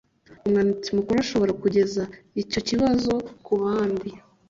umwanditsi mukuru ashobora kugeza icyo kibazo ku bandi